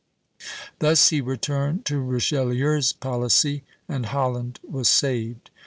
Thus he returned to Richelieu's policy, and Holland was saved.